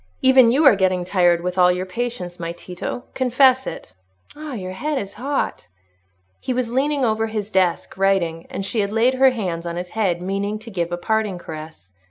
Even you are getting tired, with all your patience, my Tito; confess it. Ah, your head is hot." He was leaning over his desk, writing, and she had laid her hand on his head, meaning to give a parting caress.